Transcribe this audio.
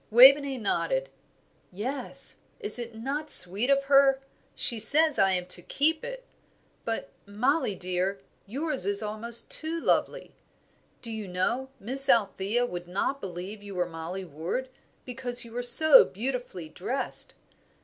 Waveney nodded. "Yes. Is it not sweet of her? She says I am to keep it. But, Mollie, dear, yours is almost too lovely. Do you know, Miss Althea would not believe you were Mollie Ward, because you were so beautifully dressed.